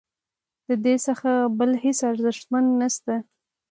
ددې څخه بل هیڅ ارزښتمن څه نشته.